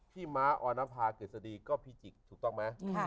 พี่ม้าอนภาเกลียดสดีก็ภิจิกษ์ถูกต้องไหม